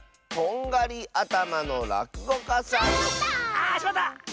あしまった！